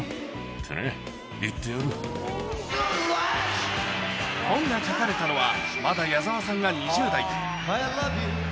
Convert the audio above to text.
ってね、本が書かれたのは、まだ矢沢さんが２０代。